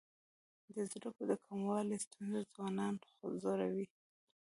د زده کړو د کموالي ستونزه ځوانان ځوروي.